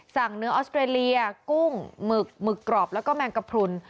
เนื้อออสเตรเลียกุ้งหมึกหมึกกรอบแล้วก็แมงกระพรุน